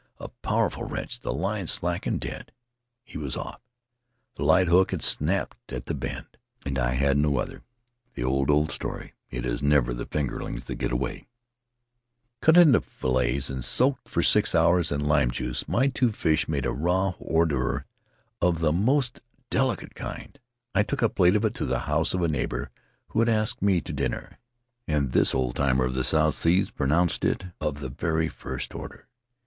A powerful wrench, the line slackened dead, he was off, the light hook had snapped at the bend — and I had no other! The old, old story — it is never the fingerlings that get away. In the Cook Group Cut into filets and soaked for six hours in lime juice, my two fish made a raw hors d'ceuvre of the most delicate kind. I took a plate of it to the house of a neighbor who had asked me to dinner, and this old timer in the South Seas pronounced it of the very first order.